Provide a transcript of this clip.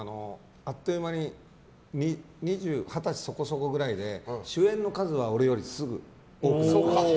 あっという間に二十歳そこそこくらいで主演の数が俺よりも多くなって。